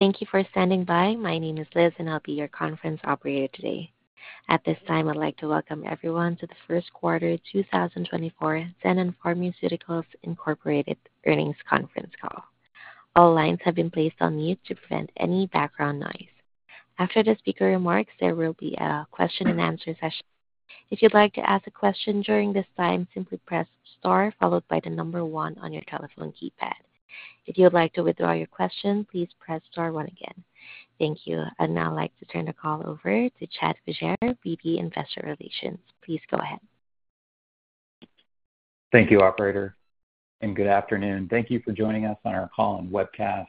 Thank you for standing by. My name is Liz, and I'll be your conference operator today. At this time, I'd like to welcome everyone to the first quarter 2024 Xenon Pharmaceuticals Incorporated earnings conference call. All lines have been placed on mute to prevent any background noise. After the speaker remarks, there will be a question-and-answer session. If you'd like to ask a question during this time, simply press star followed by the number 1 on your telephone keypad. If you would like to withdraw your question, please press star 1 again. Thank you. I'd now like to turn the call over to Chad Fugere, VP Investor Relations. Please go ahead. Thank you, operator, and good afternoon. Thank you for joining us on our call and webcast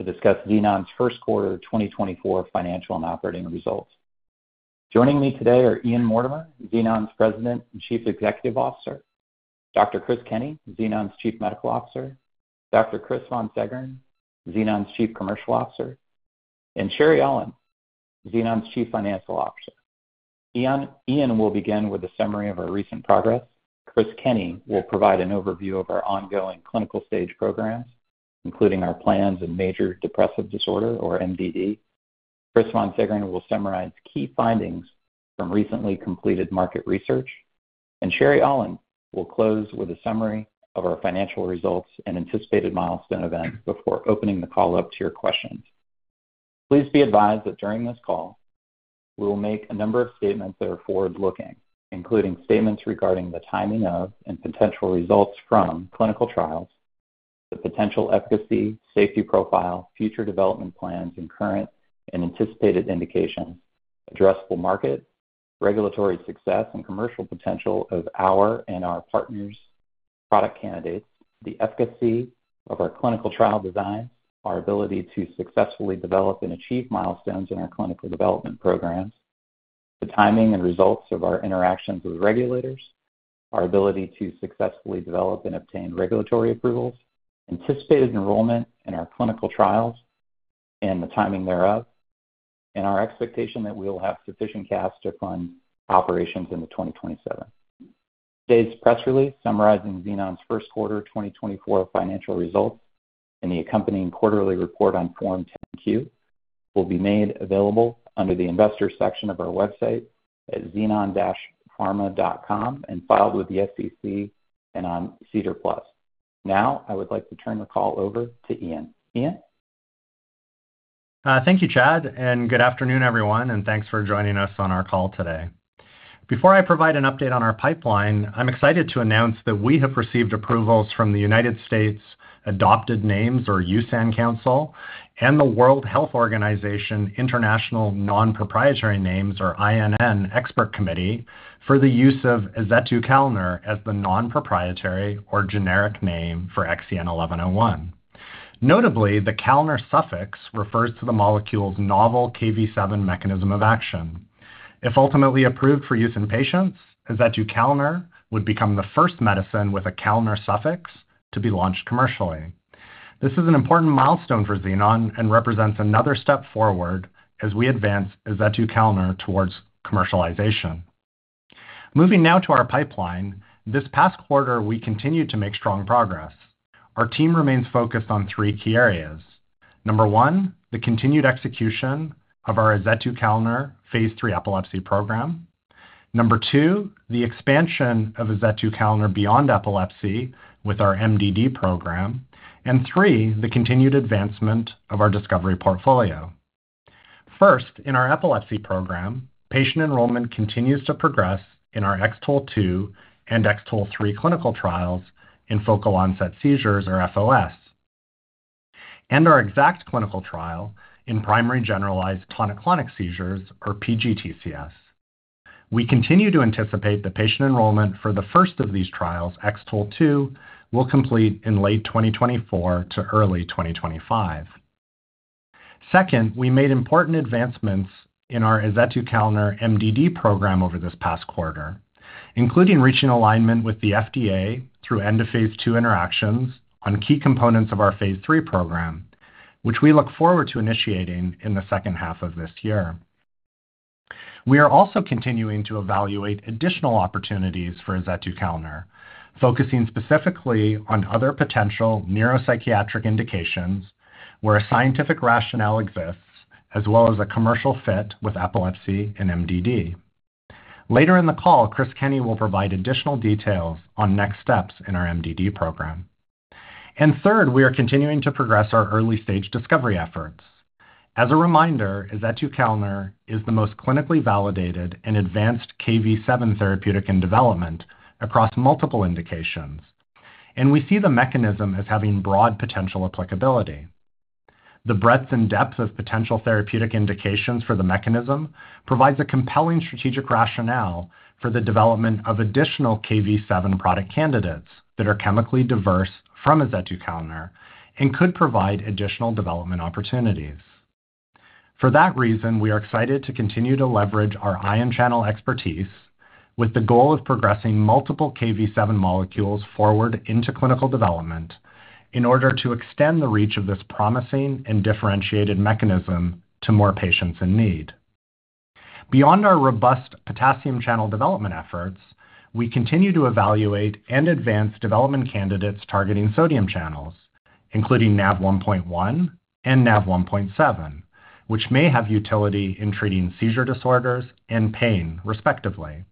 to discuss Xenon's first quarter 2024 financial and operating results. Joining me today are Ian Mortimer, Xenon's President and Chief Executive Officer, Dr. Chris Kenney, Xenon's Chief Medical Officer, Dr. Chris von Seggern, Xenon's Chief Commercial Officer, and Sherry Aulin, Xenon's Chief Financial Officer. Ian will begin with a summary of our recent progress. Chris Kenney will provide an overview of our ongoing clinical stage programs, including our plans in major depressive disorder, or MDD. Chris von Seggern will summarize key findings from recently completed market research. Sherry Aulin will close with a summary of our financial results and anticipated milestone events before opening the call up to your questions. Please be advised that during this call, we will make a number of statements that are forward-looking, including statements regarding the timing of and potential results from clinical trials, the potential efficacy, safety profile, future development plans, and current and anticipated indications, addressable market, regulatory success and commercial potential of our and our partners' product candidates, the efficacy of our clinical trial designs, our ability to successfully develop and achieve milestones in our clinical development programs, the timing and results of our interactions with regulators, our ability to successfully develop and obtain regulatory approvals, anticipated enrollment in our clinical trials and the timing thereof, and our expectation that we will have sufficient cash to fund operations in the 2027. Today's press release summarizing Xenon's first quarter 2024 financial results and the accompanying quarterly report on Form 10-Q will be made available under the investor section of our website at xenon-pharma.com and filed with the SEC and on SEDAR+. Now, I would like to turn the call over to Ian. Ian? Thank you, Chad, and good afternoon, everyone, and thanks for joining us on our call today. Before I provide an update on our pipeline, I'm excited to announce that we have received approvals from the United States Adopted Names, or USAN, Council and the World Health Organization International Nonproprietary Names, or INN, Expert Committee for the use of azetukalner as the nonproprietary or generic name for XEN1101. Notably, the kalner suffix refers to the molecule's novel Kv7 mechanism of action. If ultimately approved for use in patients, azetukalner would become the first medicine with a kalner suffix to be launched commercially. This is an important milestone for Xenon and represents another step forward as we advance azetukalner towards commercialization. Moving now to our pipeline, this past quarter we continued to make strong progress. Our team remains focused on three key areas. Number one, the continued execution of our azetukalner phase III epilepsy program. Number two, the expansion of azetukalner beyond epilepsy with our MDD program. And three, the continued advancement of our discovery portfolio. First, in our epilepsy program, patient enrollment continues to progress in our X-TOLE2 and X-TOLE3 clinical trials in focal onset seizures, or FOS, and our X-ACT clinical trial in primary generalized tonic-clonic seizures, or PGTCS. We continue to anticipate the patient enrollment for the first of these trials, X-TOLE2, will complete in late 2024 to early 2025. Second, we made important advancements in our azetukalner MDD program over this past quarter, including reaching alignment with the FDA through end-of-phase II interactions on key components of our phase III program, which we look forward to initiating in the second half of this year. We are also continuing to evaluate additional opportunities for azetukalner, focusing specifically on other potential neuropsychiatric indications where a scientific rationale exists, as well as a commercial fit with epilepsy and MDD. Later in the call, Chris Kenney will provide additional details on next steps in our MDD program. And third, we are continuing to progress our early-stage discovery efforts. As a reminder, azetukalner is the most clinically validated and advanced Kv7 therapeutic in development across multiple indications, and we see the mechanism as having broad potential applicability. The breadth and depth of potential therapeutic indications for the mechanism provides a compelling strategic rationale for the development of additional Kv7 product candidates that are chemically diverse from azetukalner and could provide additional development opportunities. For that reason, we are excited to continue to leverage our ion channel expertise with the goal of progressing multiple Kv7 molecules forward into clinical development in order to extend the reach of this promising and differentiated mechanism to more patients in need. Beyond our robust potassium channel development efforts, we continue to evaluate and advance development candidates targeting sodium channels, including Nav1.1 and Nav1.7, which may have utility in treating seizure disorders and pain, respectively.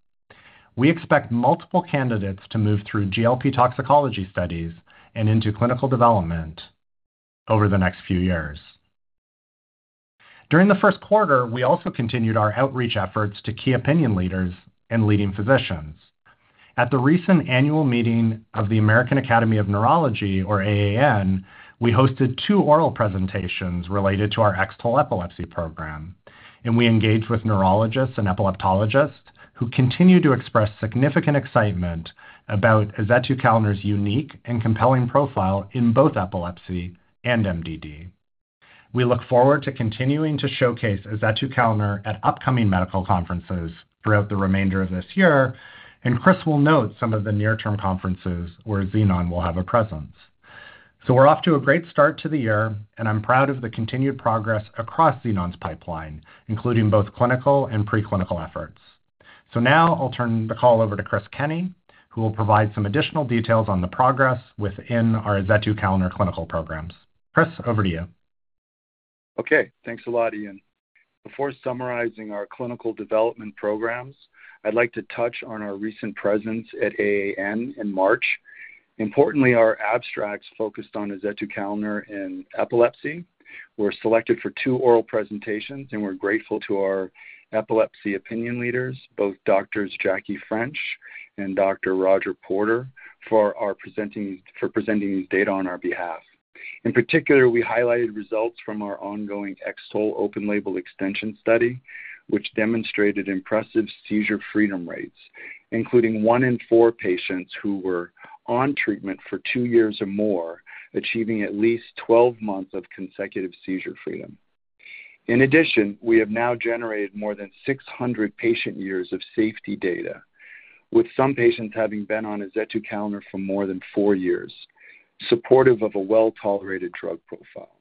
We expect multiple candidates to move through GLP toxicology studies and into clinical development over the next few years. During the first quarter, we also continued our outreach efforts to key opinion leaders and leading physicians. At the recent annual meeting of the American Academy of Neurology, or AAN, we hosted two oral presentations related to our X-TOLE epilepsy program, and we engaged with neurologists and epileptologists who continue to express significant excitement about azetukalner's unique and compelling profile in both epilepsy and MDD. We look forward to continuing to showcase azetukalner at upcoming medical conferences throughout the remainder of this year, and Chris will note some of the near-term conferences where Xenon will have a presence. So we're off to a great start to the year, and I'm proud of the continued progress across Xenon's pipeline, including both clinical and preclinical efforts. So now I'll turn the call over to Chris Kenney, who will provide some additional details on the progress within our azetukalner clinical programs. Chris, over to you. Okay. Thanks a lot, Ian. Before summarizing our clinical development programs, I'd like to touch on our recent presence at AAN in March. Importantly, our abstracts focused on azetukalner in epilepsy. We're selected for 2 oral presentations, and we're grateful to our epilepsy opinion leaders, both Doctors Jackie French and Dr. Roger Porter, for presenting these data on our behalf. In particular, we highlighted results from our ongoing X-TOLE open-label extension study, which demonstrated impressive seizure freedom rates, including 1 in 4 patients who were on treatment for 2 years or more achieving at least 12 months of consecutive seizure freedom. In addition, we have now generated more than 600 patient years of safety data, with some patients having been on azetukalner for more than 4 years, supportive of a well-tolerated drug profile.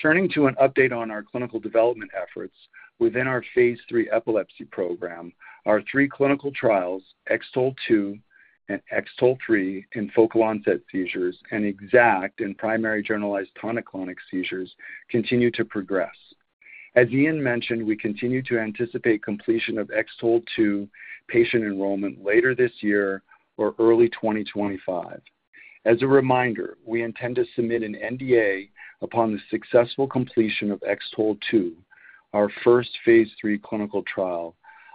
Turning to an update on our clinical development efforts within our phase III epilepsy program, our three clinical trials, X-TOLE2 and X-TOLE3 in focal onset seizures and X-ACT in primary generalized tonic-clonic seizures, continue to progress. As Ian mentioned, we continue to anticipate completion of X-TOLE2 patient enrollment later this year or early 2025. As a reminder, we intend to submit an NDA upon the successful completion of X-TOLE2, our first phase III clinical trial,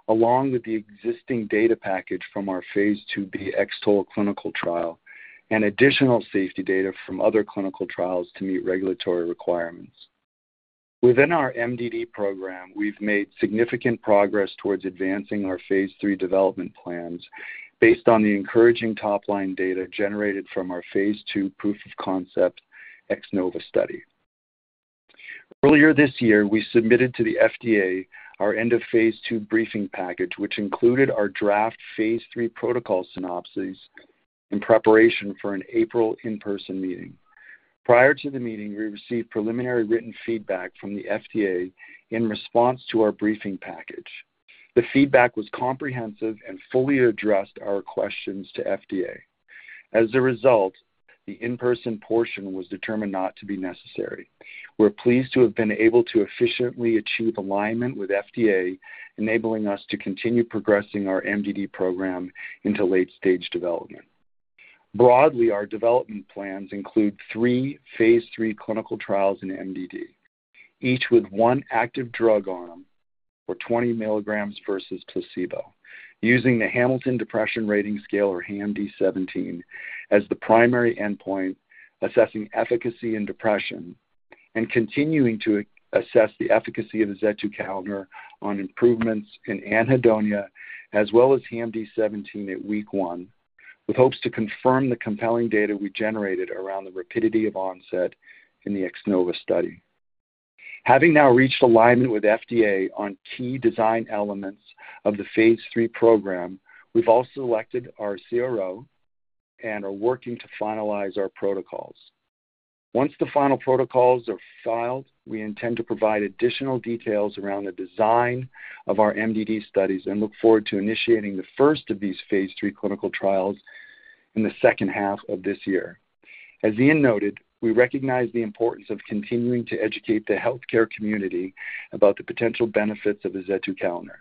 along with the existing data package from our phase IIb X-TOLE clinical trial and additional safety data from other clinical trials to meet regulatory requirements. Within our MDD program, we've made significant progress towards advancing our phase III development plans based on the encouraging top-line data generated from our phase II proof of concept X-NOVA study. Earlier this year, we submitted to the FDA our end-of-phase II briefing package, which included our draft phase III protocol synopses in preparation for an April in-person meeting. Prior to the meeting, we received preliminary written feedback from the FDA in response to our briefing package. The feedback was comprehensive and fully addressed our questions to FDA. As a result, the in-person portion was determined not to be necessary. We're pleased to have been able to efficiently achieve alignment with FDA, enabling us to continue progressing our MDD program into late-stage development. Broadly, our development plans include three phase III clinical trials in MDD, each with one active drug on them, or 20 milligrams versus placebo, using the Hamilton Depression Rating Scale, or HAMD-17, as the primary endpoint, assessing efficacy in depression and continuing to assess the efficacy of azetukalner on improvements in anhedonia, as well as HAMD-17 at week one, with hopes to confirm the compelling data we generated around the rapidity of onset in the X-NOVA study. Having now reached alignment with FDA on key design elements of the phase III program, we've also elected our CRO and are working to finalize our protocols. Once the final protocols are filed, we intend to provide additional details around the design of our MDD studies and look forward to initiating the first of these phase III clinical trials in the second half of this year. As Ian noted, we recognize the importance of continuing to educate the healthcare community about the potential benefits of azetukalner.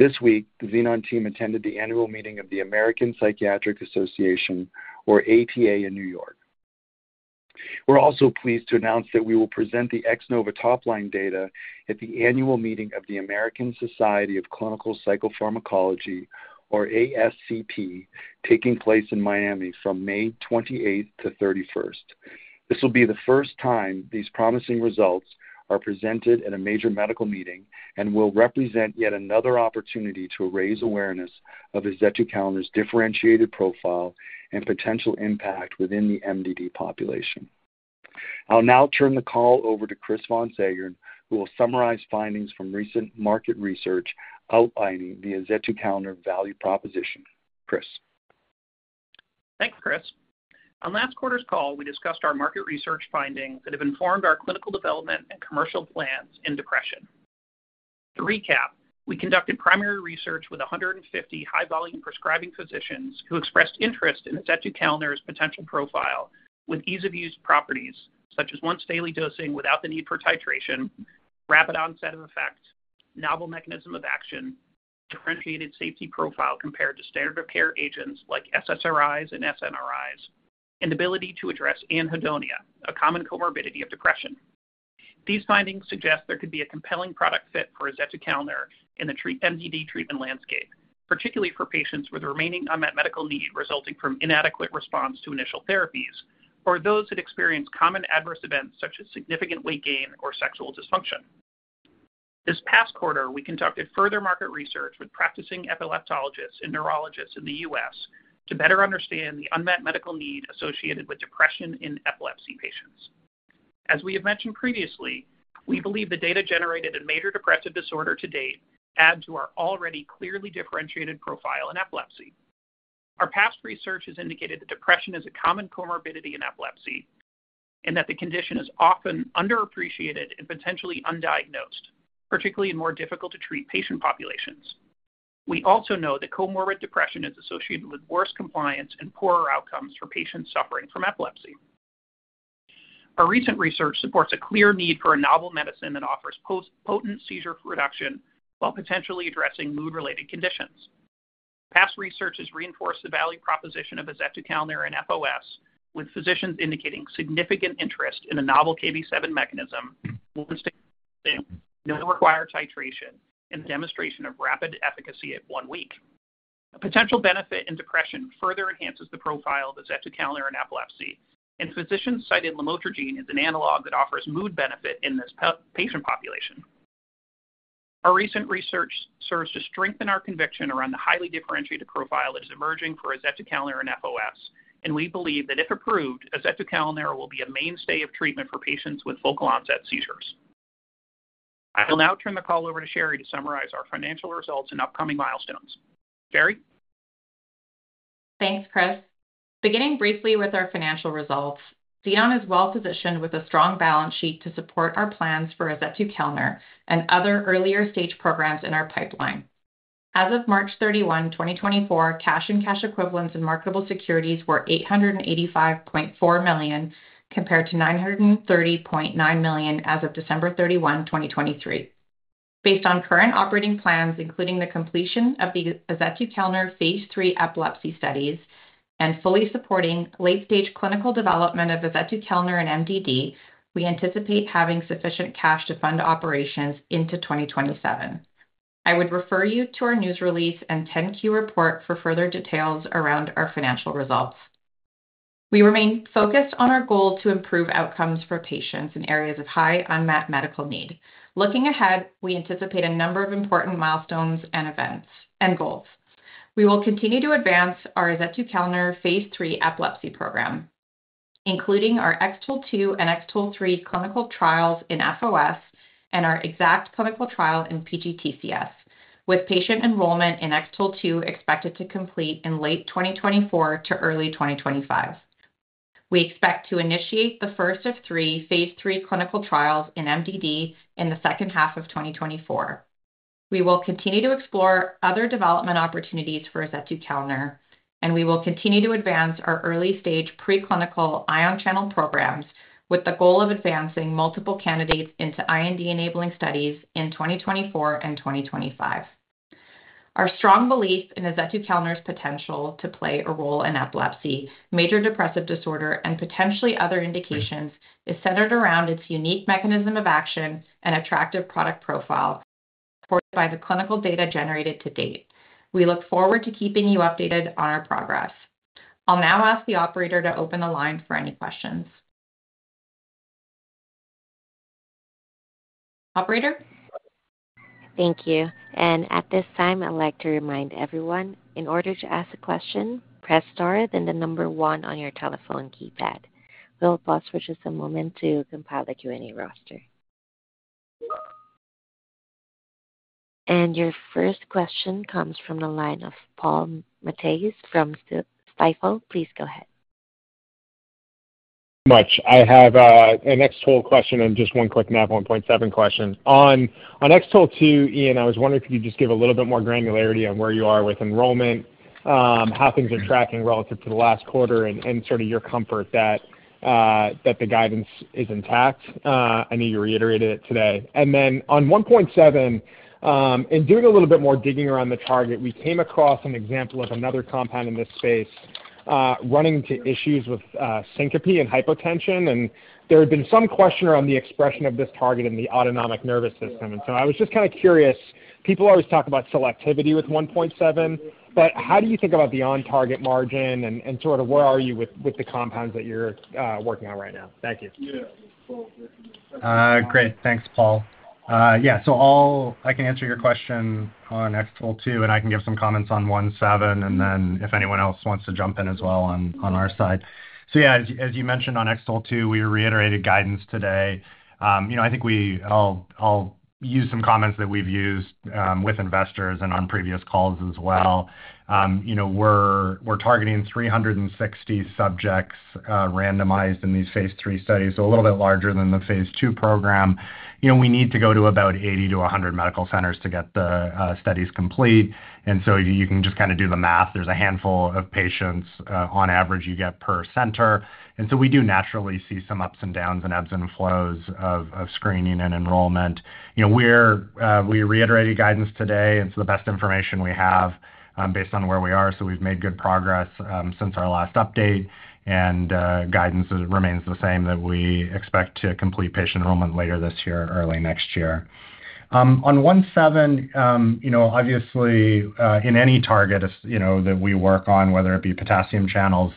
This week, the Xenon team attended the annual meeting of the American Psychiatric Association, or APA, in New York. We're also pleased to announce that we will present the X-NOVA top-line data at the annual meeting of the American Society of Clinical Psychopharmacology, or ASCP, taking place in Miami from May 28th to 31st. This will be the first time these promising results are presented at a major medical meeting and will represent yet another opportunity to raise awareness of azetukalner's differentiated profile and potential impact within the MDD population. I'll now turn the call over to Chris von Seggern, who will summarize findings from recent market research outlining the azetukalner value proposition. Chris. Thanks, Chris. On last quarter's call, we discussed our market research findings that have informed our clinical development and commercial plans in depression. To recap, we conducted primary research with 150 high-volume prescribing physicians who expressed interest in azetukalner's potential profile with ease-of-use properties such as once-daily dosing without the need for titration, rapid onset of effect, novel mechanism of action, differentiated safety profile compared to standard-of-care agents like SSRIs and SNRIs, and ability to address anhedonia, a common comorbidity of depression. These findings suggest there could be a compelling product fit for azetukalner in the MDD treatment landscape, particularly for patients with remaining unmet medical need resulting from inadequate response to initial therapies or those that experience common adverse events such as significant weight gain or sexual dysfunction. This past quarter, we conducted further market research with practicing epileptologists and neurologists in the U.S. to better understand the unmet medical need associated with depression in epilepsy patients. As we have mentioned previously, we believe the data generated in major depressive disorder to date add to our already clearly differentiated profile in epilepsy. Our past research has indicated that depression is a common comorbidity in epilepsy and that the condition is often underappreciated and potentially undiagnosed, particularly in more difficult-to-treat patient populations. We also know that comorbid depression is associated with worse compliance and poorer outcomes for patients suffering from epilepsy. Our recent research supports a clear need for a novel medicine that offers potent seizure reduction while potentially addressing mood-related conditions. Past research has reinforced the value proposition of azetukalner in FOS, with physicians indicating significant interest in a novel Kv7 mechanism, once-daily dosing, no required titration, and demonstration of rapid efficacy at one week. A potential benefit in depression further enhances the profile of azetukalner in epilepsy, and physicians cited lamotrigine as an analog that offers mood benefit in this patient population. Our recent research serves to strengthen our conviction around the highly differentiated profile that is emerging for azetukalner in FOS, and we believe that if approved, azetukalner will be a mainstay of treatment for patients with focal onset seizures. I will now turn the call over to Sherry to summarize our financial results and upcoming milestones. Sherry. Thanks, Chris. Beginning briefly with our financial results, Xenon is well-positioned with a strong balance sheet to support our plans for azetukalner and other earlier-stage programs in our pipeline. As of March 31, 2024, cash and cash equivalents in marketable securities were $885.4 million compared to $930.9 million as of December 31, 2023. Based on current operating plans, including the completion of the azetukalner phase III epilepsy studies and fully supporting late-stage clinical development of azetukalner in MDD, we anticipate having sufficient cash to fund operations into 2027. I would refer you to our news release and 10-Q report for further details around our financial results. We remain focused on our goal to improve outcomes for patients in areas of high unmet medical need. Looking ahead, we anticipate a number of important milestones and goals. We will continue to advance our azetukalner phase III epilepsy program, including our X-TOLE2 and X-TOLE3 clinical trials in FOS and our X-ACT clinical trial in PGTCS, with patient enrollment in X-TOLE2 expected to complete in late 2024 to early 2025. We expect to initiate the first of three phase III clinical trials in MDD in the second half of 2024. We will continue to explore other development opportunities for azetukalner, and we will continue to advance our early-stage preclinical ion channel programs with the goal of advancing multiple candidates into IND-enabling studies in 2024 and 2025. Our strong belief in azetukalner's potential to play a role in epilepsy, major depressive disorder, and potentially other indications is centered around its unique mechanism of action and attractive product profile supported by the clinical data generated to date. We look forward to keeping you updated on our progress. I'll now ask the operator to open the line for any questions. Operator. Thank you. At this time, I'd like to remind everyone, in order to ask a question, press star, then the number 1 on your telephone keypad. We'll pause for just a moment to compile the Q&A roster. Your first question comes from the line of Paul Matteis from Stifel. Please go ahead. Thank you very much. I have an X-TOLE question and just one quick Nav1.7 question. On X-TOLE2, Ian, I was wondering if you could just give a little bit more granularity on where you are with enrollment, how things are tracking relative to the last quarter, and sort of your comfort that the guidance is intact. I know you reiterated it today. And then on Nav1.7, in doing a little bit more digging around the target, we came across an example of another compound in this space running into issues with syncope and hypotension, and there had been some question around the expression of this target in the autonomic nervous system. And so I was just kind of curious. People always talk about selectivity with 1.7, but how do you think about the on-target margin and sort of where are you with the compounds that you're working on right now? Thank you. Great. Thanks, Paul. Yeah. So I can answer your question on X-TOLE2, and I can give some comments on Nav1.7 and then if anyone else wants to jump in as well on our side. So yeah, as you mentioned, on X-TOLE2, we reiterated guidance today. I think I'll use some comments that we've used with investors and on previous calls as well. We're targeting 360 subjects randomized in these phase III studies, so a little bit larger than the phase II program. We need to go to about 80-100 medical centers to get the studies complete. And so you can just kind of do the math. There's a handful of patients, on average, you get per center. And so we do naturally see some ups and downs and ebbs and flows of screening and enrollment. We reiterated guidance today, and it's the best information we have based on where we are. So we've made good progress since our last update, and guidance remains the same that we expect to complete patient enrollment later this year, early next year. On 1.7, obviously, in any target that we work on, whether it be potassium channels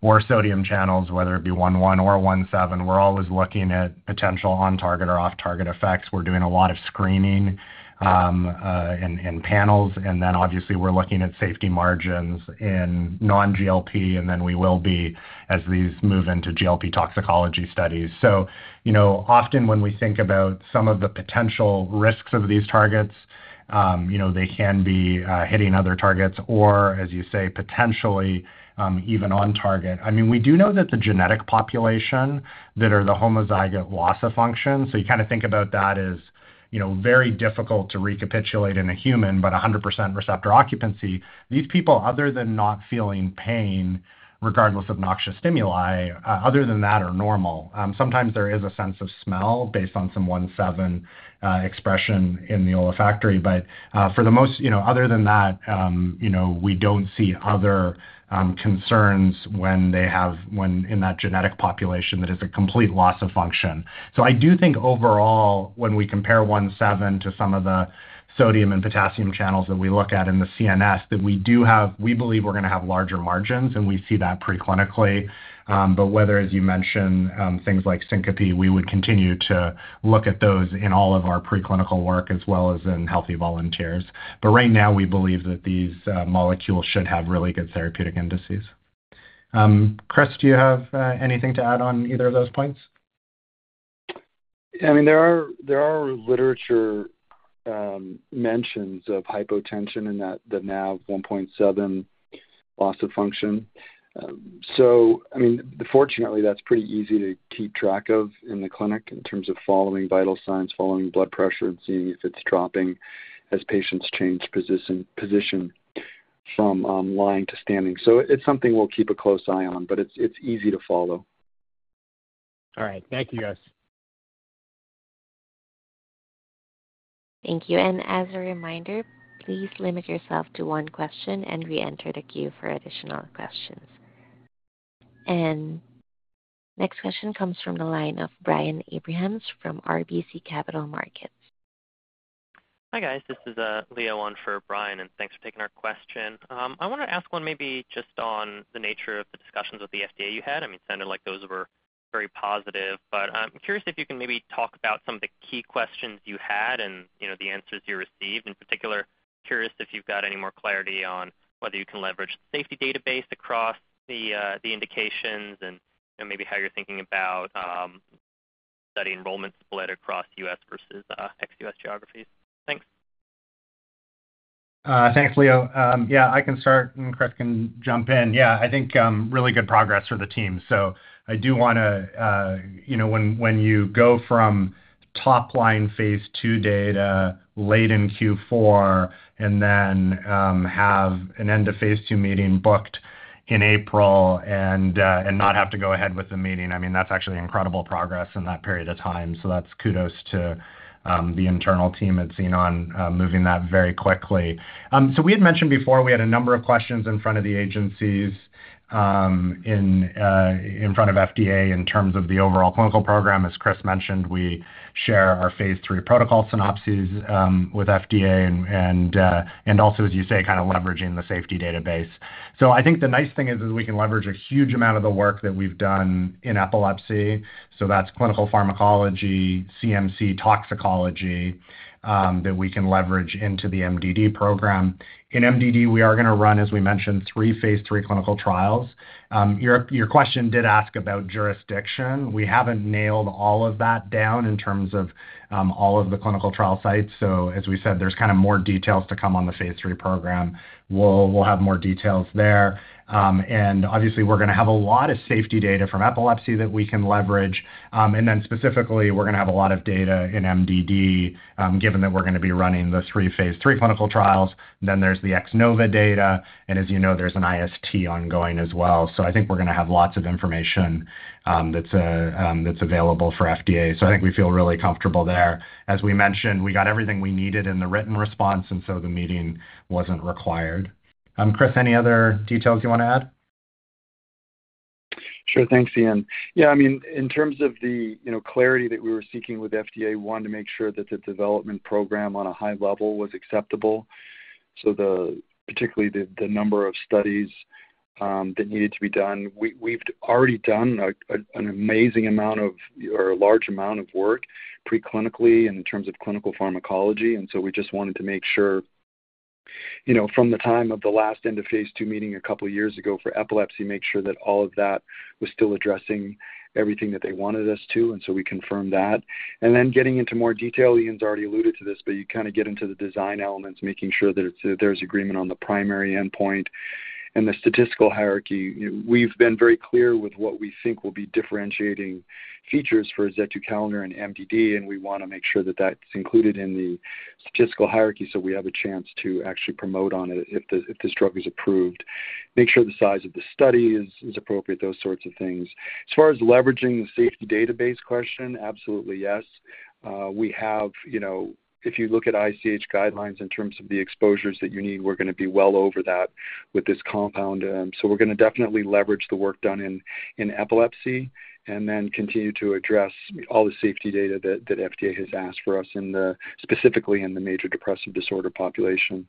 or sodium channels, whether it be 1.1 or 1.7, we're always looking at potential on-target or off-target effects. We're doing a lot of screening and panels, and then obviously, we're looking at safety margins in non-GLP, and then we will be as these move into GLP toxicology studies. So often, when we think about some of the potential risks of these targets, they can be hitting other targets or, as you say, potentially even on target. I mean, we do know that the genetic population that are the homozygote loss of function, so you kind of think about that as very difficult to recapitulate in a human, but 100% receptor occupancy, these people, other than not feeling pain regardless of noxious stimuli, other than that, are normal. Sometimes there is a sense of smell based on some 1.7 expression in the olfactory. But for the most other than that, we don't see other concerns when in that genetic population that is a complete loss of function. So I do think overall, when we compare 1.7 to some of the sodium and potassium channels that we look at in the CNS, that we do have, we believe we're going to have larger margins, and we see that preclinically. But whether, as you mentioned, things like syncope, we would continue to look at those in all of our preclinical work as well as in healthy volunteers. But right now, we believe that these molecules should have really good therapeutic indices. Chris, do you have anything to add on either of those points? Yeah. I mean, there are literature mentions of hypotension and the Nav1.7 loss of function. So I mean, fortunately, that's pretty easy to keep track of in the clinic in terms of following vital signs, following blood pressure, and seeing if it's dropping as patients change position from lying to standing. So it's something we'll keep a close eye on, but it's easy to follow. All right. Thank you, guys. Thank you. As a reminder, please limit yourself to one question and reenter the queue for additional questions. Next question comes from the line of Brian Abrahams from RBC Capital Markets. Hi, guys. This is Leo on for Brian, and thanks for taking our question. I want to ask one maybe just on the nature of the discussions with the FDA you had. I mean, it sounded like those were very positive, but I'm curious if you can maybe talk about some of the key questions you had and the answers you received. In particular, curious if you've got any more clarity on whether you can leverage the safety database across the indications and maybe how you're thinking about study enrollment split across US versus ex-US geographies. Thanks. Thanks, Leo. Yeah, I can start, and Chris can jump in. Yeah, I think really good progress for the team. So I do want to, when you go from top-line phase II data late in Q4 and then have an end-of-phase II meeting booked in April and not have to go ahead with the meeting, I mean, that's actually incredible progress in that period of time. So that's kudos to the internal team at Xenon moving that very quickly. So we had mentioned before we had a number of questions in front of the agencies in front of FDA in terms of the overall clinical program. As Chris mentioned, we share our phase III protocol synopses with FDA and also, as you say, kind of leveraging the safety database. So I think the nice thing is we can leverage a huge amount of the work that we've done in epilepsy. So that's clinical pharmacology, CMC toxicology that we can leverage into the MDD program. In MDD, we are going to run, as we mentioned, three phase III clinical trials. Your question did ask about jurisdiction. We haven't nailed all of that down in terms of all of the clinical trial sites. So as we said, there's kind of more details to come on the phase III program. We'll have more details there. And obviously, we're going to have a lot of safety data from epilepsy that we can leverage. And then specifically, we're going to have a lot of data in MDD given that we're going to be running the three phase III clinical trials. Then there's the X-NOVA data, and as you know, there's an IST ongoing as well. So I think we're going to have lots of information that's available for FDA. I think we feel really comfortable there. As we mentioned, we got everything we needed in the written response, and so the meeting wasn't required. Chris, any other details you want to add? Sure. Thanks, Ian. Yeah, I mean, in terms of the clarity that we were seeking with FDA, one, to make sure that the development program on a high level was acceptable, so particularly the number of studies that needed to be done. We've already done an amazing amount of or a large amount of work preclinically and in terms of clinical pharmacology. And so we just wanted to make sure from the time of the last end-of-phase II meeting a couple of years ago for epilepsy, make sure that all of that was still addressing everything that they wanted us to. And so we confirmed that. And then getting into more detail, Ian's already alluded to this, but you kind of get into the design elements, making sure that there's agreement on the primary endpoint and the statistical hierarchy. We've been very clear with what we think will be differentiating features for azetukalner in MDD, and we want to make sure that that's included in the statistical hierarchy so we have a chance to actually promote on it if this drug is approved, make sure the size of the study is appropriate, those sorts of things. As far as leveraging the safety database question, absolutely, yes. We have, if you look at ICH guidelines in terms of the exposures that you need, we're going to be well over that with this compound. So we're going to definitely leverage the work done in epilepsy and then continue to address all the safety data that FDA has asked for us, specifically in the major depressive disorder population.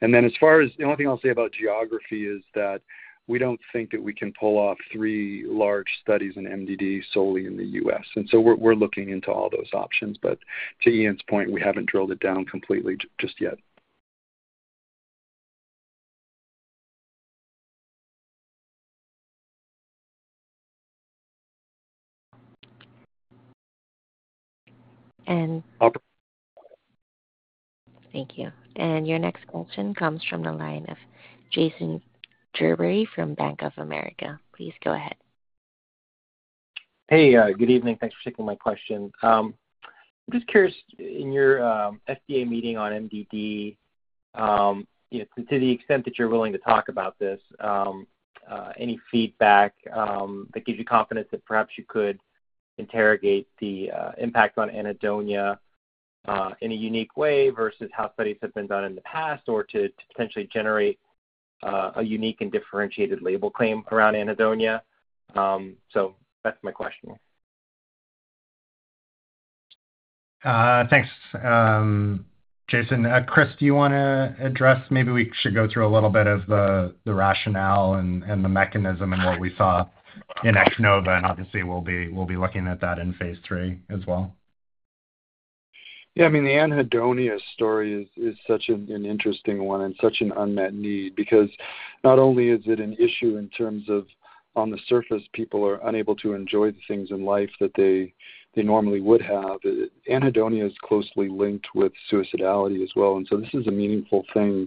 And then as far as the only thing I'll say about geography is that we don't think that we can pull off three large studies in MDD solely in the U.S. And so we're looking into all those options. But to Ian's point, we haven't drilled it down completely just yet. And. Operator. Thank you. Your next question comes from the line of Jason Gerberry from Bank of America. Please go ahead. Hey, good evening. Thanks for taking my question. I'm just curious, in your FDA meeting on MDD, to the extent that you're willing to talk about this, any feedback that gives you confidence that perhaps you could interrogate the impact on anhedonia in a unique way versus how studies have been done in the past or to potentially generate a unique and differentiated label claim around anhedonia? So that's my question. Thanks, Jason. Chris, do you want to address maybe we should go through a little bit of the rationale and the mechanism and what we saw in X-NOVA? Obviously, we'll be looking at that in phase III as well. Yeah. I mean, the anhedonia story is such an interesting one and such an unmet need because not only is it an issue in terms of, on the surface, people are unable to enjoy the things in life that they normally would have, anhedonia is closely linked with suicidality as well. And so this is a meaningful thing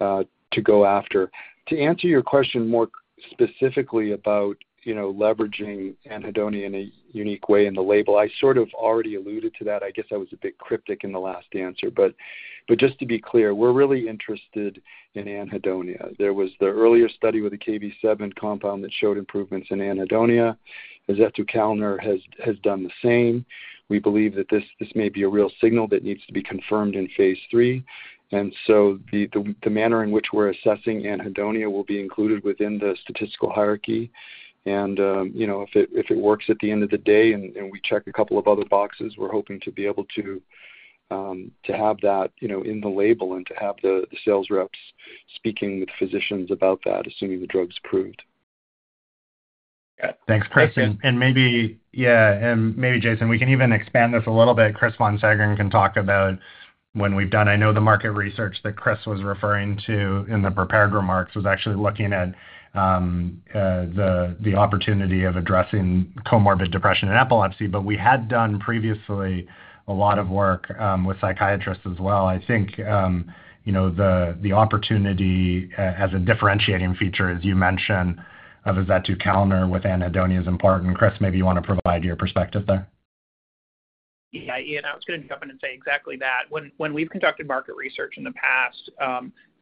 to go after. To answer your question more specifically about leveraging anhedonia in a unique way in the label, I sort of already alluded to that. I guess I was a bit cryptic in the last answer. But just to be clear, we're really interested in anhedonia. There was the earlier study with the Kv7 compound that showed improvements in anhedonia. Azetukalner has done the same. We believe that this may be a real signal that needs to be confirmed in phase III. And so the manner in which we're assessing anhedonia will be included within the statistical hierarchy. And if it works at the end of the day and we check a couple of other boxes, we're hoping to be able to have that in the label and to have the sales reps speaking with physicians about that, assuming the drug's approved. Yeah. Thanks, Chris. And maybe, yeah, and maybe, Jason, we can even expand this a little bit. Chris von Seggern can talk about when we've done. I know the market research that Chris was referring to in the prepared remarks was actually looking at the opportunity of addressing comorbid depression and epilepsy. But we had done previously a lot of work with psychiatrists as well. I think the opportunity as a differentiating feature, as you mentioned, of azetukalner with anhedonia is important. Chris, maybe you want to provide your perspective there. Yeah, Ian. I was going to jump in and say exactly that. When we've conducted market research in the past,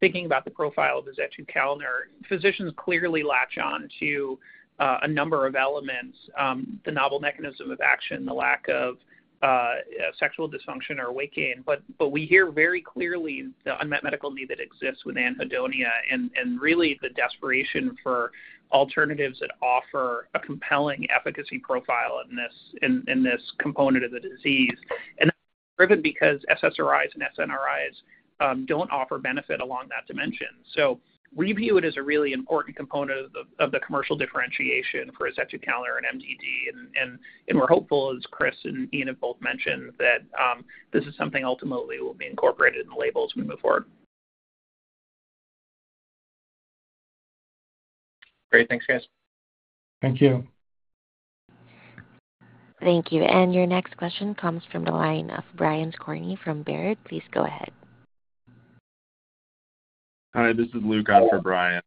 thinking about the profile of azetukalner, physicians clearly latch on to a number of elements: the novel mechanism of action, the lack of sexual dysfunction or weight gain. But we hear very clearly the unmet medical need that exists with anhedonia and really the desperation for alternatives that offer a compelling efficacy profile in this component of the disease. And that's driven because SSRIs and SNRIs don't offer benefit along that dimension. So we view it as a really important component of the commercial differentiation for azetukalner and MDD. And we're hopeful, as Chris and Ian have both mentioned, that this is something ultimately will be incorporated in the labels when we move forward. Great. Thanks, guys. Thank you. Thank you. Your next question comes from the line of Brian Skorney from Baird. Please go ahead. Hi. This is Luke on for Brian.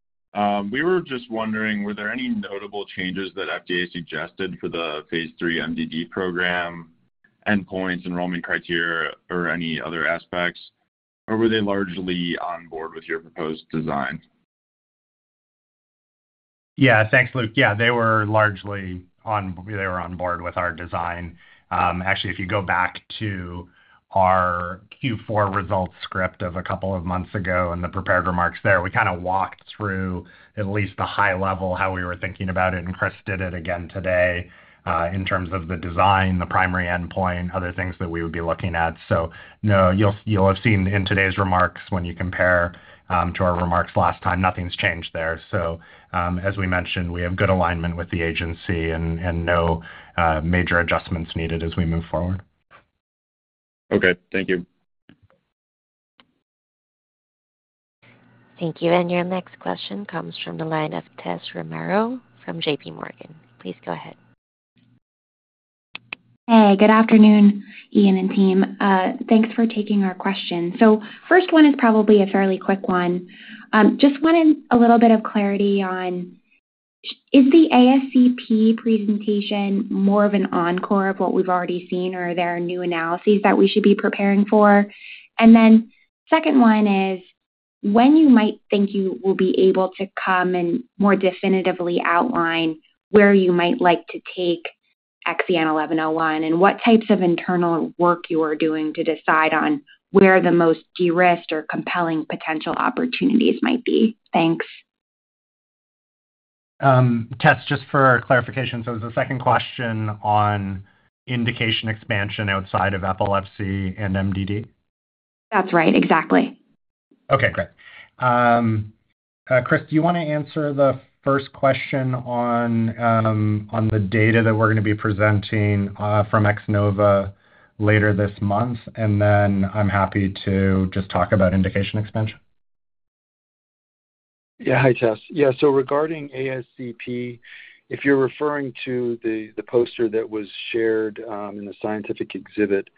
We were just wondering, were there any notable changes that FDA suggested for the Phase III MDD program endpoints, enrollment criteria, or any other aspects? Or were they largely on board with your proposed design? Yeah. Thanks, Luke. Yeah, they were largely on board with our design. Actually, if you go back to our Q4 results script of a couple of months ago and the prepared remarks there, we kind of walked through at least the high level how we were thinking about it. Chris did it again today in terms of the design, the primary endpoint, other things that we would be looking at. So, no, you'll have seen in today's remarks when you compare to our remarks last time, nothing's changed there. So as we mentioned, we have good alignment with the agency and no major adjustments needed as we move forward. Okay. Thank you. Thank you. And your next question comes from the line of Tessa Romero from JPMorgan. Please go ahead. Hey. Good afternoon, Ian and team. Thanks for taking our question. First one is probably a fairly quick one. Just wanted a little bit of clarity on, is the ASCP presentation more of an encore of what we've already seen, or are there new analyses that we should be preparing for? And then second one is, when you might think you will be able to come and more definitively outline where you might like to take XEN1101 and what types of internal work you are doing to decide on where the most de-risked or compelling potential opportunities might be? Thanks. Tess, just for clarification, it was the second question on indication expansion outside of epilepsy and MDD? That's right. Exactly. Okay. Great. Chris, do you want to answer the first question on the data that we're going to be presenting from X-NOVA later this month? And then I'm happy to just talk about indication expansion. Yeah. Hi, Tess. Yeah. So regarding ASCP, if you're referring to the poster that was shared in the scientific exhibit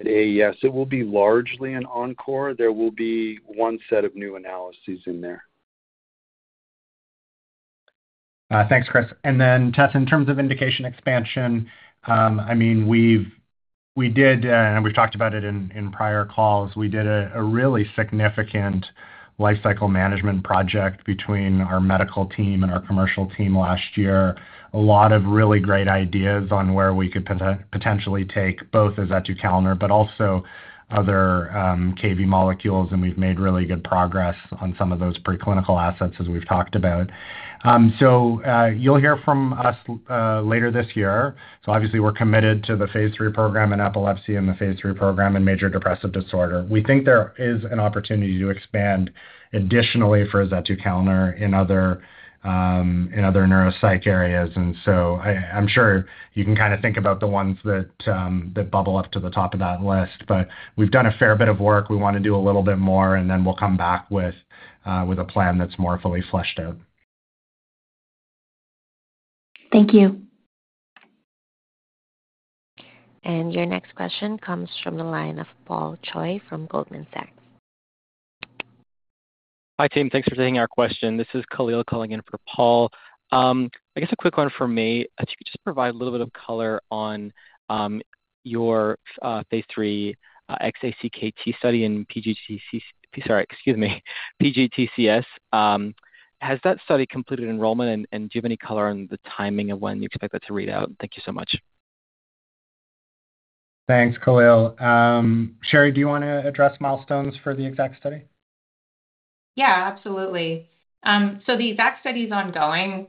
at AES, it will be largely an encore. There will be one set of new analyses in there. Thanks, Chris. Then, Tess, in terms of indication expansion, I mean, we did and we've talked about it in prior calls. We did a really significant lifecycle management project between our medical team and our commercial team last year. A lot of really great ideas on where we could potentially take both azetukalner but also other Kv molecules. And we've made really good progress on some of those preclinical assets as we've talked about. So you'll hear from us later this year. So obviously, we're committed to the phase III program in epilepsy and the phase III program in major depressive disorder. We think there is an opportunity to expand additionally for azetukalner in other neuropsych areas. And so I'm sure you can kind of think about the ones that bubble up to the top of that list. But we've done a fair bit of work. We want to do a little bit more, and then we'll come back with a plan that's more fully fleshed out. Thank you. Your next question comes from the line of Paul Choi from Goldman Sachs. Hi, team. Thanks for taking our question. This is Khalil calling in for Paul. I guess a quick one for me, if you could just provide a little bit of color on your Phase III X-ACT study in PGTC sorry, excuse me, PGTCS. Has that study completed enrollment, and do you have any color on the timing of when you expect that to read out? Thank you so much. Thanks, Khalil. Sherry, do you want to address milestones for the X-ACT study? Yeah, absolutely. So the X-ACT study is ongoing.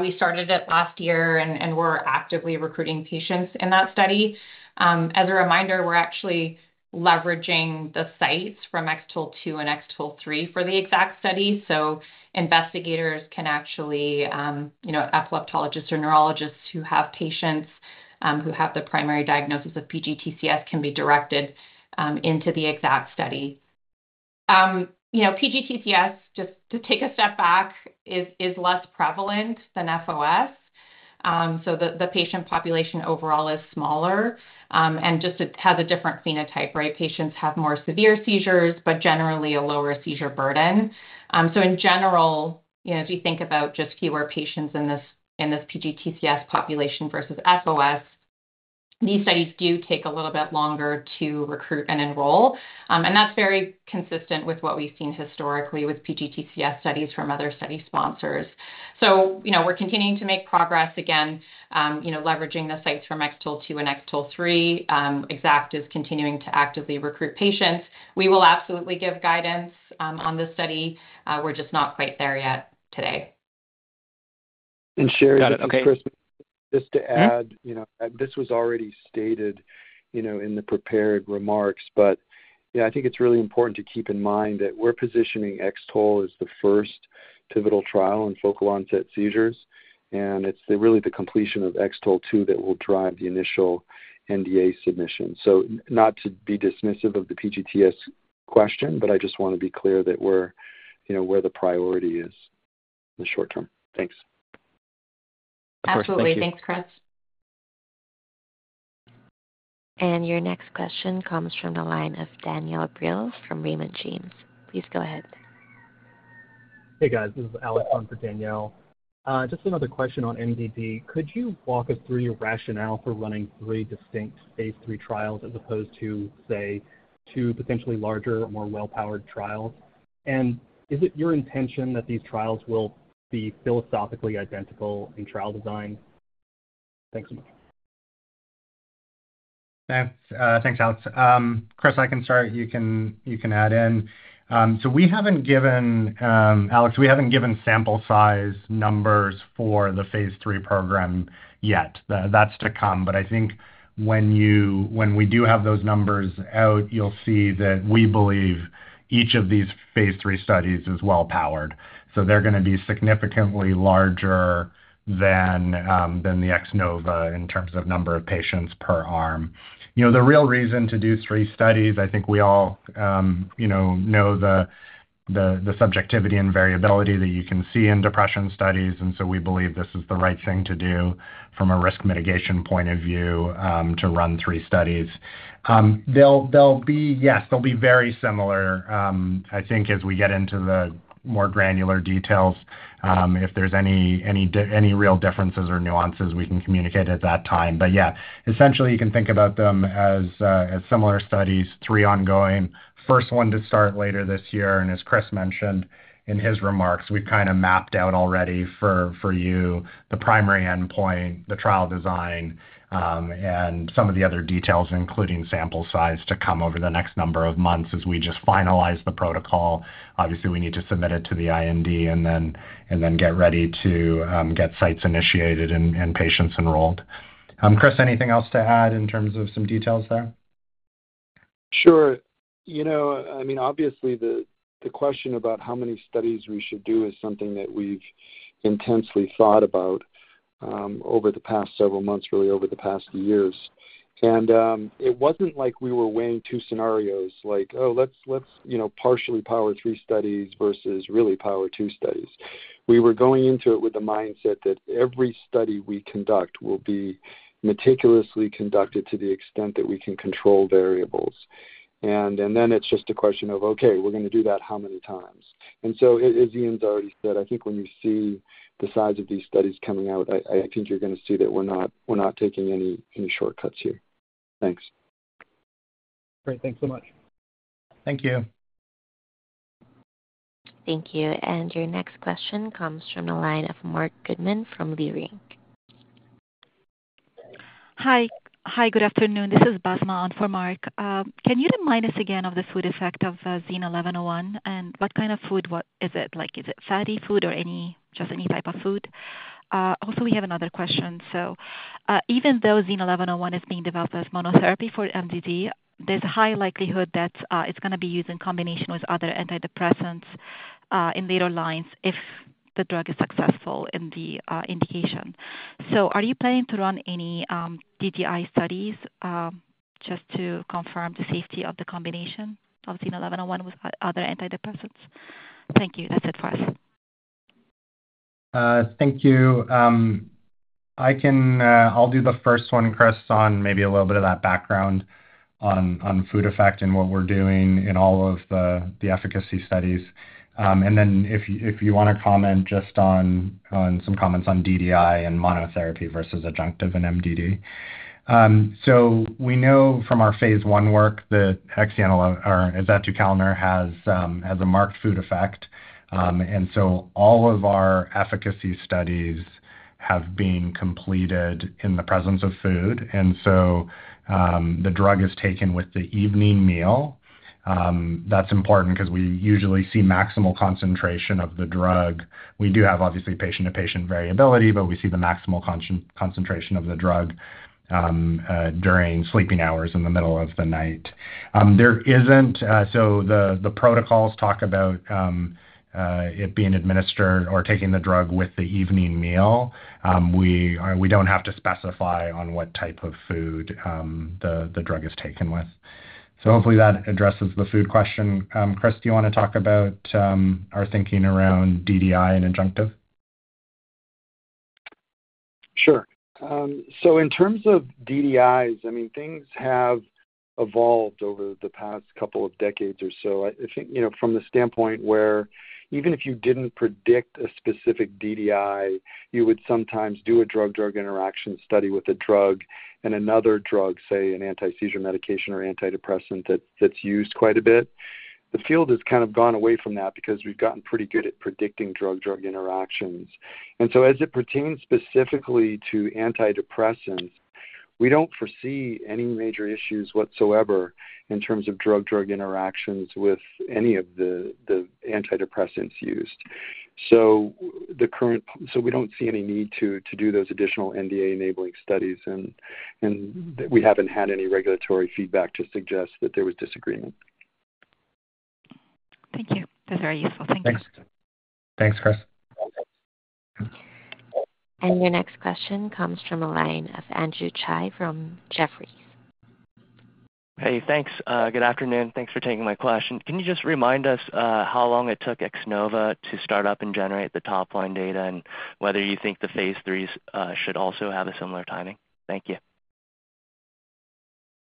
We started it last year, and we're actively recruiting patients in that study. As a reminder, we're actually leveraging the sites from X-TOLE2 and X-TOLE3 for the X-ACT study. So investigators can actually epileptologists or neurologists who have patients who have the primary diagnosis of PGTCS can be directed into the X-ACT study. PGTCS, just to take a step back, is less prevalent than FOS. So the patient population overall is smaller and just has a different phenotype, right? Patients have more severe seizures but generally a lower seizure burden. So in general, as we think about just fewer patients in this PGTCS population versus FOS, these studies do take a little bit longer to recruit and enroll. And that's very consistent with what we've seen historically with PGTCS studies from other study sponsors. So we're continuing to make progress, again, leveraging the sites from X-TOLE2 and X-TOLE3. X-ACT is continuing to actively recruit patients. We will absolutely give guidance on this study. We're just not quite there yet today. Sherry, just to add, this was already stated in the prepared remarks. But yeah, I think it's really important to keep in mind that we're positioning X-TOLE as the first pivotal trial in focal onset seizures. And it's really the completion of X-TOLE2 that will drive the initial NDA submission. So not to be dismissive of the PGTCS question, but I just want to be clear that where the priority is in the short term. Thanks. Of course. Thank you. Absolutely. Thanks, Chris. And your next question comes from the line of Danielle Brill from Raymond James. Please go ahead. Hey, guys. This is Alex on for Daniel. Just another question on MDD. Could you walk us through your rationale for running three distinct phase III trials as opposed to, say, two potentially larger, more well-powered trials? And is it your intention that these trials will be philosophically identical in trial design? Thanks so much. Thanks, Alex. Chris, I can start. You can add in. So we haven't given, Alex, we haven't given sample size numbers for the phase III program yet. That's to come. But I think when we do have those numbers out, you'll see that we believe each of these phase III studies is well-powered. So they're going to be significantly larger than the X-NOVA in terms of number of patients per arm. The real reason to do three studies, I think we all know the subjectivity and variability that you can see in depression studies. And so we believe this is the right thing to do from a risk mitigation point of view to run three studies. Yes, they'll be very similar, I think, as we get into the more granular details. If there's any real differences or nuances, we can communicate at that time. But yeah, essentially, you can think about them as similar studies, three ongoing. First one to start later this year. As Chris mentioned in his remarks, we've kind of mapped out already for you the primary endpoint, the trial design, and some of the other details, including sample size, to come over the next number of months as we just finalize the protocol. Obviously, we need to submit it to the IND and then get ready to get sites initiated and patients enrolled. Chris, anything else to add in terms of some details there? Sure. I mean, obviously, the question about how many studies we should do is something that we've intensely thought about over the past several months, really over the past years. It wasn't like we were weighing two scenarios like, "Oh, let's partially power three studies versus really power two studies." We were going into it with the mindset that every study we conduct will be meticulously conducted to the extent that we can control variables. Then it's just a question of, "Okay, we're going to do that how many times?" So, as Ian's already said, I think when you see the size of these studies coming out, I think you're going to see that we're not taking any shortcuts here. Thanks. Great. Thanks so much. Thank you. Thank you. And your next question comes from the line of Marc Goodman from Leerink. Hi. Hi. Good afternoon. This is Basma on for Mark. Can you remind us again of the food effect of XEN1101? And what kind of food is it? Is it fatty food or just any type of food? Also, we have another question. So even though XEN1101 is being developed as monotherapy for MDD, there's a high likelihood that it's going to be used in combination with other antidepressants in later lines if the drug is successful in the indication. So are you planning to run any DDI studies just to confirm the safety of the combination of XEN1101 with other antidepressants? Thank you. That's it for us. Thank you. I'll do the first one, Chris, on maybe a little bit of that background on food effect and what we're doing in all of the efficacy studies. And then if you want to comment just on some comments on DDI and monotherapy versus adjunctive and MDD. So we know from our phase I work that Xenon or azetukalner has a marked food effect. And so all of our efficacy studies have been completed in the presence of food. And so the drug is taken with the evening meal. That's important because we usually see maximal concentration of the drug. We do have, obviously, patient-to-patient variability, but we see the maximal concentration of the drug during sleeping hours in the middle of the night. So the protocols talk about it being administered or taking the drug with the evening meal. We don't have to specify on what type of food the drug is taken with. Hopefully, that addresses the food question. Chris, do you want to talk about our thinking around DDI and adjunctive? Sure. So in terms of DDIs, I mean, things have evolved over the past couple of decades or so. I think from the standpoint where even if you didn't predict a specific DDI, you would sometimes do a drug-drug interaction study with a drug and another drug, say, an antiseizure medication or antidepressant that's used quite a bit. The field has kind of gone away from that because we've gotten pretty good at predicting drug-drug interactions. And so as it pertains specifically to antidepressants, we don't foresee any major issues whatsoever in terms of drug-drug interactions with any of the antidepressants used. So we don't see any need to do those additional NDA-enabling studies. And we haven't had any regulatory feedback to suggest that there was disagreement. Thank you. That's very useful. Thank you. Thanks, Chris. Your next question comes from the line of Andrew Tsai from Jefferies. Hey. Thanks. Good afternoon. Thanks for taking my question. Can you just remind us how long it took X-NOVA to start up and generate the top-line data and whether you think the phase III should also have a similar timing? Thank you.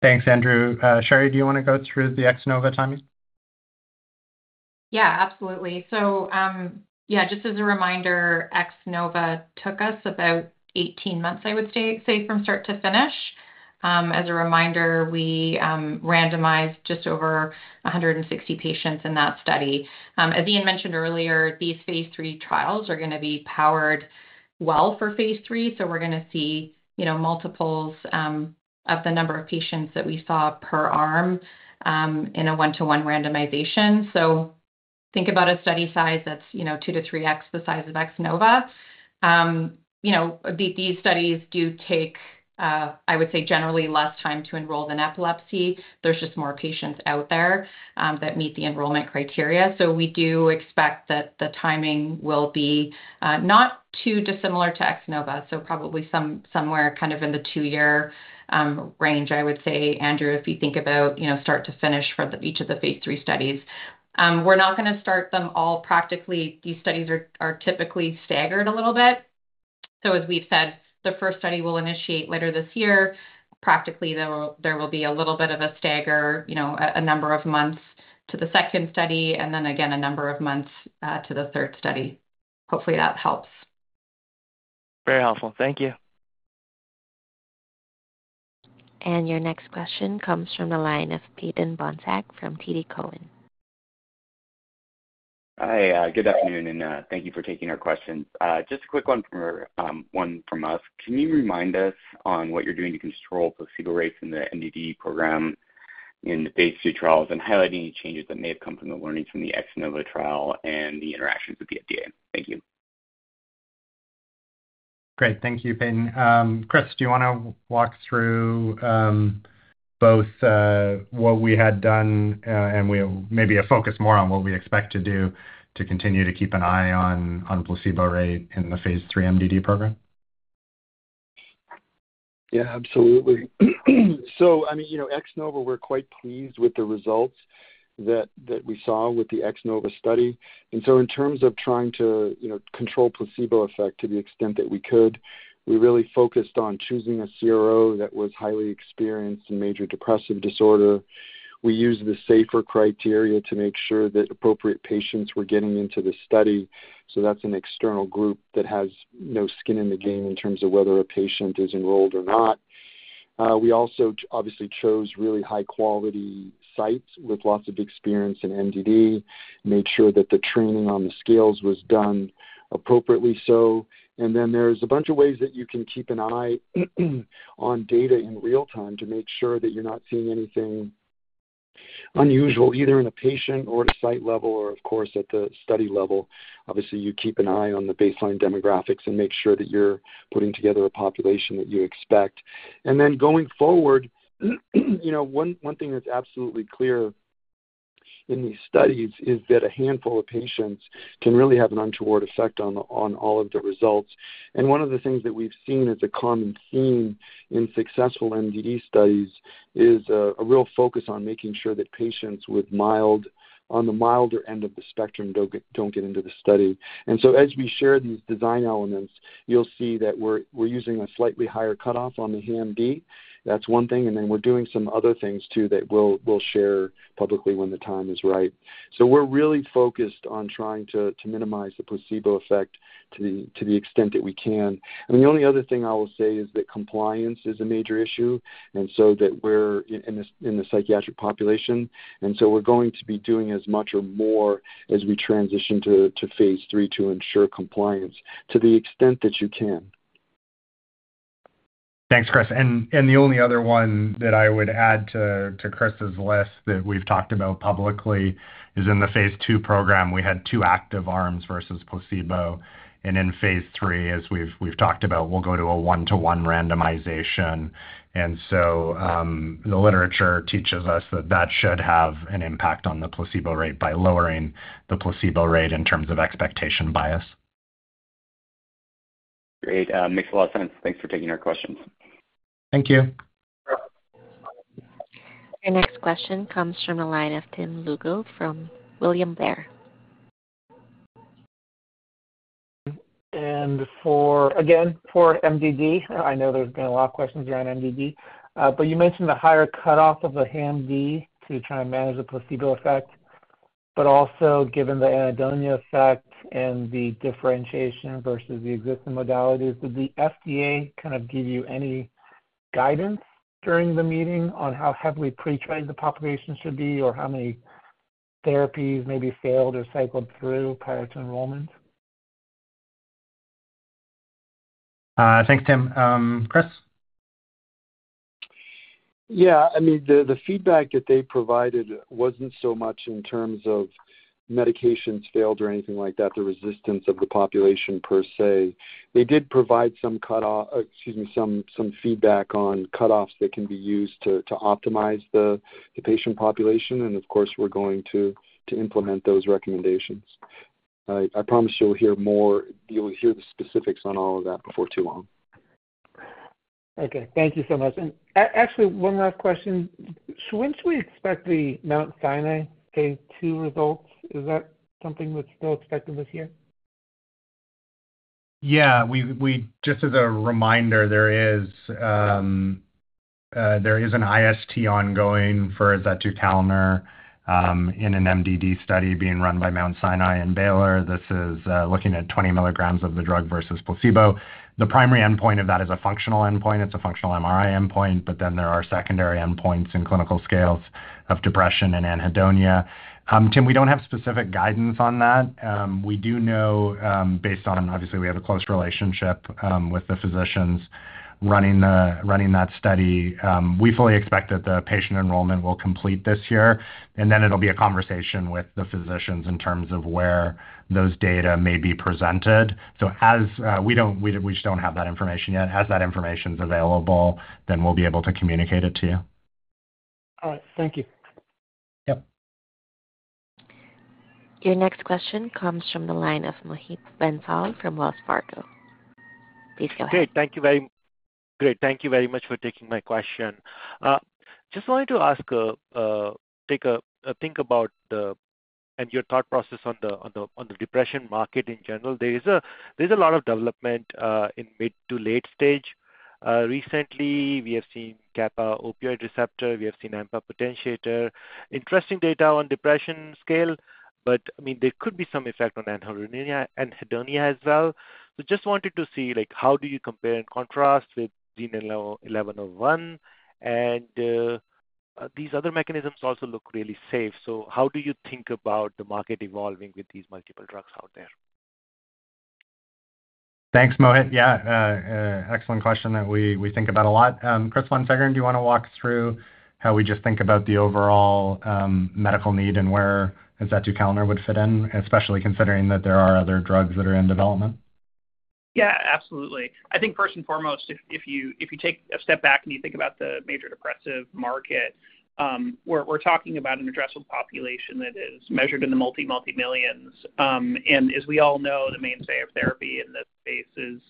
Thanks, Andrew. Sherry, do you want to go through the X-NOVA timing? Yeah, absolutely. So yeah, just as a reminder, X-NOVA took us about 18 months, I would say, from start to finish. As a reminder, we randomized just over 160 patients in that study. As Ian mentioned earlier, these phase III trials are going to be powered well for phase III. So we're going to see multiples of the number of patients that we saw per arm in a one-to-one randomization. So think about a study size that's 2-3x the size of X-NOVA. These studies do take, I would say, generally less time to enroll than epilepsy. There's just more patients out there that meet the enrollment criteria. So we do expect that the timing will be not too dissimilar to X-NOVA, so probably somewhere kind of in the 2-year range, I would say, Andrew, if you think about start to finish for each of the phase III studies. We're not going to start them all practically. These studies are typically staggered a little bit. So as we've said, the first study will initiate later this year. Practically, there will be a little bit of a stagger, a number of months to the second study, and then again, a number of months to the third study. Hopefully, that helps. Very helpful. Thank you. Your next question comes from the line of Peyton Bohnsack from TD Cowen. Hi. Good afternoon, and thank you for taking our questions. Just a quick one from us. Can you remind us on what you're doing to control placebo rates in the MDD program in the phase II trials and highlight any changes that may have come from the learnings from the X-NOVA trial and the interactions with the FDA? Thank you. Great. Thank you, Payton. Chris, do you want to walk through both what we had done and maybe focus more on what we expect to do to continue to keep an eye on placebo rate in the phase III MDD program? Yeah, absolutely. So I mean, X-NOVA, we're quite pleased with the results that we saw with the X-NOVA study. And so in terms of trying to control placebo effect to the extent that we could, we really focused on choosing a CRO that was highly experienced in major depressive disorder. We used the SAFER criteria to make sure that appropriate patients were getting into the study. So that's an external group that has no skin in the game in terms of whether a patient is enrolled or not. We also obviously chose really high-quality sites with lots of experience in MDD, made sure that the training on the scales was done appropriately so. And then there's a bunch of ways that you can keep an eye on data in real time to make sure that you're not seeing anything unusual either in a patient or at a site level or, of course, at the study level. Obviously, you keep an eye on the baseline demographics and make sure that you're putting together a population that you expect. And then going forward, one thing that's absolutely clear in these studies is that a handful of patients can really have an untoward effect on all of the results. And one of the things that we've seen as a common theme in successful MDD studies is a real focus on making sure that patients with on the milder end of the spectrum don't get into the study. As we share these design elements, you'll see that we're using a slightly higher cutoff on the HAM-D. That's one thing. Then we're doing some other things too that we'll share publicly when the time is right. We're really focused on trying to minimize the placebo effect to the extent that we can. I mean, the only other thing I will say is that compliance is a major issue and so that we're in the psychiatric population. We're going to be doing as much or more as we transition to Phase III to ensure compliance to the extent that you can. Thanks, Chris. The only other one that I would add to Chris's list that we've talked about publicly is in the phase II program, we had two active arms versus placebo. In phase III, as we've talked about, we'll go to a 1:1 randomization. So the literature teaches us that that should have an impact on the placebo rate by lowering the placebo rate in terms of expectation bias. Great. Makes a lot of sense. Thanks for taking our questions. Thank you. Your next question comes from the line of Tim Lugo from William Blair. Again, for MDD, I know there's been a lot of questions around MDD. You mentioned the higher cutoff of the HAM-D to try and manage the placebo effect. Also, given the anhedonia effect and the differentiation versus the existing modalities, did the FDA kind of give you any guidance during the meeting on how heavily pre-treated the population should be or how many therapies maybe failed or cycled through prior to enrollment? Thanks, Tim. Chris? Yeah. I mean, the feedback that they provided wasn't so much in terms of medications failed or anything like that, the resistance of the population per se. They did provide some cutoff excuse me, some feedback on cutoffs that can be used to optimize the patient population. And of course, we're going to implement those recommendations. I promise you'll hear more you'll hear the specifics on all of that before too long. Okay. Thank you so much. And actually, one last question. So when should we expect the Mount Sinai phase II results? Is that something that's still expected this year? Yeah. Just as a reminder, there is an IST ongoing for azetukalner in an MDD study being run by Mount Sinai and Baylor. This is looking at 20 milligrams of the drug versus placebo. The primary endpoint of that is a functional endpoint. It's a functional MRI endpoint. But then there are secondary endpoints in clinical scales of depression and anhedonia. Tim, we don't have specific guidance on that. We do know based on, obviously, we have a close relationship with the physicians running that study. We fully expect that the patient enrollment will complete this year. Then it'll be a conversation with the physicians in terms of where those data may be presented. So we just don't have that information yet. As that information's available, then we'll be able to communicate it to you. All right. Thank you. Yep. Your next question comes from the line of Mohit Bansal from Wells Fargo. Please go ahead. Great. Thank you very much for taking my question. Just wanted to ask about your thought process on the depression market in general. There is a lot of development in mid- to late-stage. Recently, we have seen kappa opioid receptor. We have seen AMPA potentiator. Interesting data on depression scale. But I mean, there could be some effect on anhedonia as well. So just wanted to see how do you compare and contrast with XEN1101? And these other mechanisms also look really safe. So how do you think about the market evolving with these multiple drugs out there? Thanks, Mohit. Yeah. Excellent question that we think about a lot. Chris von Seggern, do you want to walk through how we just think about the overall medical need and where azetukalner would fit in, especially considering that there are other drugs that are in development? Yeah, absolutely. I think first and foremost, if you take a step back and you think about the major depressive market, we're talking about an addressable population that is measured in the multimultimillions. As we all know, the mainstay of therapy in this space is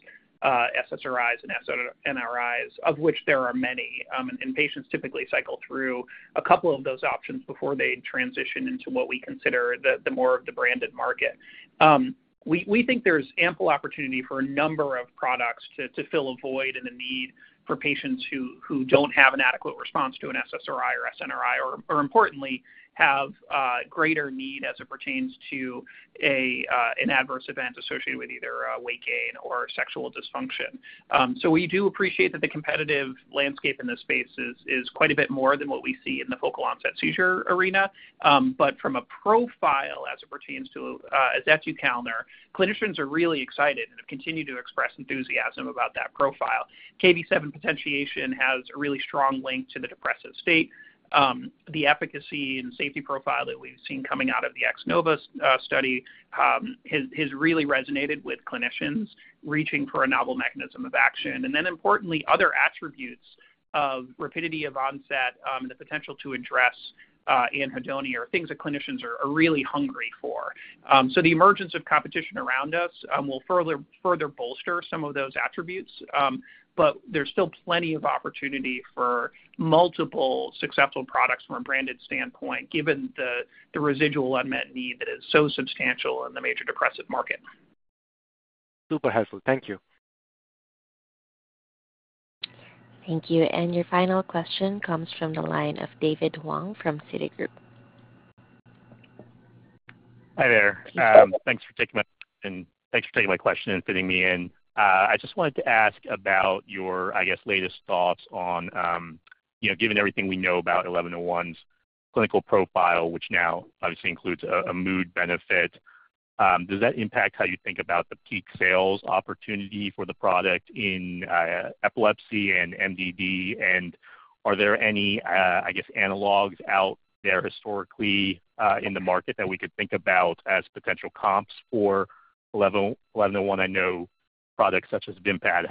SSRIs and SNRIs, of which there are many. Patients typically cycle through a couple of those options before they transition into what we consider the more of the branded market. We think there's ample opportunity for a number of products to fill a void in the need for patients who don't have an adequate response to an SSRI or SNRI or, importantly, have greater need as it pertains to an adverse event associated with either weight gain or sexual dysfunction. So we do appreciate that the competitive landscape in this space is quite a bit more than what we see in the focal onset seizure arena. But from a profile as it pertains to azetukalner, clinicians are really excited and have continued to express enthusiasm about that profile. Kv7 potentiation has a really strong link to the depressive state. The efficacy and safety profile that we've seen coming out of the X-NOVA study has really resonated with clinicians reaching for a novel mechanism of action. And then importantly, other attributes of rapidity of onset and the potential to address anhedonia are things that clinicians are really hungry for. So the emergence of competition around us will further bolster some of those attributes. But there's still plenty of opportunity for multiple successful products from a branded standpoint given the residual unmet need that is so substantial in the major depressive market. Super helpful. Thank you. Thank you. Your final question comes from the line of David Hoang from Citigroup. Hi there. Thanks for taking my question and fitting me in. I just wanted to ask about your, I guess, latest thoughts on given everything we know about 1101's clinical profile, which now obviously includes a mood benefit, does that impact how you think about the peak sales opportunity for the product in epilepsy and MDD? And are there any, I guess, analogs out there historically in the market that we could think about as potential comps for 1101? I know products such as Vimpat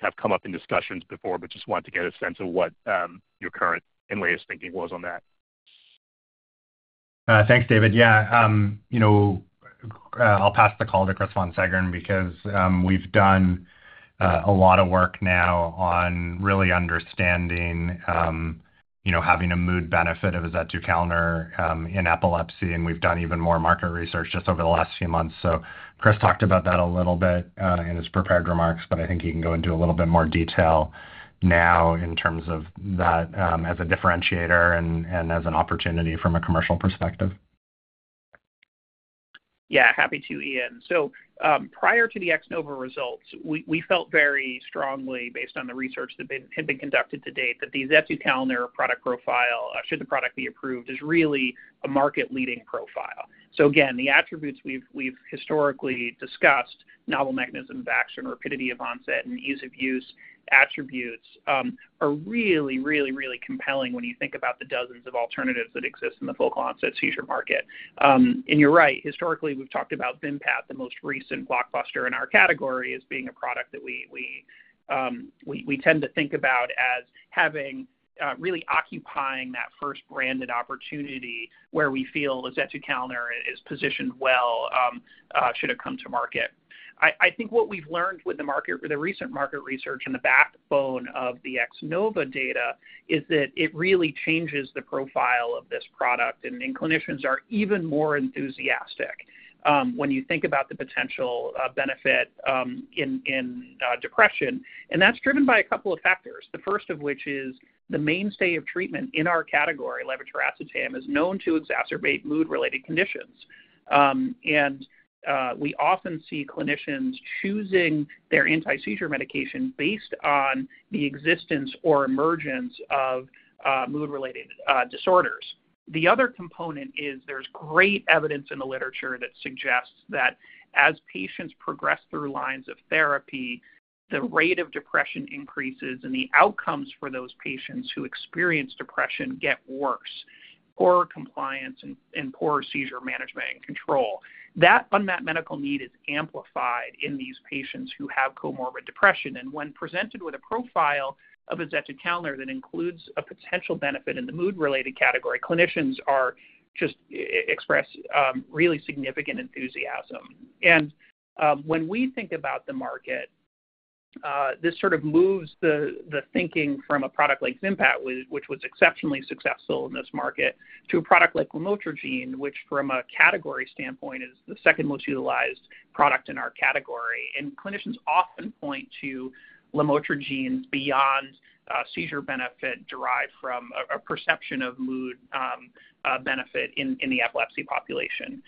have come up in discussions before, but just wanted to get a sense of what your current and latest thinking was on that. Thanks, David. Yeah. I'll pass the call to Chris Von Seggern because we've done a lot of work now on really understanding having a mood benefit of azetukalner in epilepsy. We've done even more market research just over the last few months. Chris talked about that a little bit in his prepared remarks, but I think he can go into a little bit more detail now in terms of that as a differentiator and as an opportunity from a commercial perspective. Yeah. Happy to, Ian. So prior to the X-NOVA results, we felt very strongly based on the research that had been conducted to date that the azetukalner product profile, should the product be approved, is really a market-leading profile. So again, the attributes we've historically discussed, novel mechanism of action, rapidity of onset, and ease of use attributes are really, really, really compelling when you think about the dozens of alternatives that exist in the focal onset seizure market. And you're right. Historically, we've talked about Vimpat, the most recent blockbuster in our category, as being a product that we tend to think about as really occupying that first branded opportunity where we feel azetukalner is positioned well should it come to market. I think what we've learned with the recent market research and the backbone of the X-NOVA data is that it really changes the profile of this product. Clinicians are even more enthusiastic when you think about the potential benefit in depression. That's driven by a couple of factors, the first of which is the mainstay of treatment in our category, levetiracetam, is known to exacerbate mood-related conditions. We often see clinicians choosing their anti-seizure medication based on the existence or emergence of mood-related disorders. The other component is there's great evidence in the literature that suggests that as patients progress through lines of therapy, the rate of depression increases and the outcomes for those patients who experience depression get worse. Poorer compliance and poorer seizure management and control. That unmet medical need is amplified in these patients who have comorbid depression. When presented with a profile of azetukalner that includes a potential benefit in the mood-related category, clinicians just express really significant enthusiasm. When we think about the market, this sort of moves the thinking from a product like Vimpat, which was exceptionally successful in this market, to a product like lamotrigine, which from a category standpoint is the second most utilized product in our category. Clinicians often point to lamotrigine beyond seizure benefit derived from a perception of mood benefit in the epilepsy population.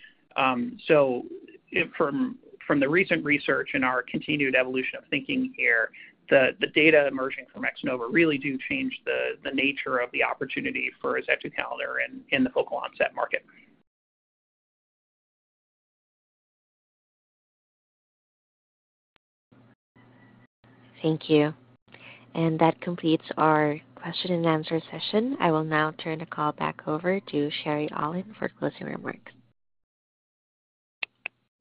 From the recent research and our continued evolution of thinking here, the data emerging from X-NOVA really do change the nature of the opportunity for azetukalner in the focal onset market. Thank you. That completes our question-and-answer session. I will now turn the call back over to Sherry Aulin for closing remarks.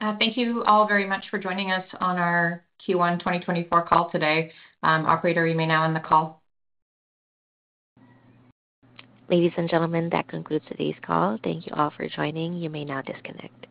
Thank you all very much for joining us on our Q1 2024 call today. Operator, you may now end the call. Ladies and gentlemen, that concludes today's call. Thank you all for joining. You may now disconnect.